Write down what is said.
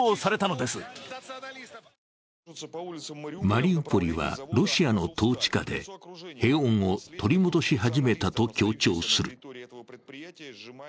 マリウポリはロシアの統治下で平穏を取り戻しはじめたと強調する。